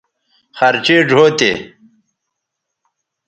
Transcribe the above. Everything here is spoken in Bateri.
خرچیئ ڙھؤ تے